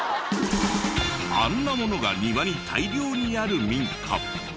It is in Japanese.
あんなものが庭に大量にある民家。